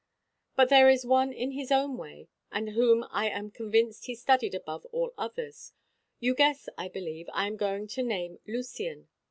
But there is one in his own way, and whom I am convinced he studied above all others you guess, I believe, I am going to name Lucian.